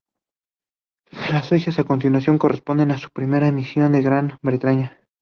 Las fechas a continuación corresponden a sus primeras emisiones en Gran Bretaña.